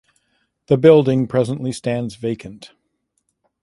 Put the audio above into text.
The building presently stands vacant.